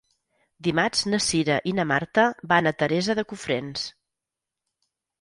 Dimarts na Cira i na Marta van a Teresa de Cofrents.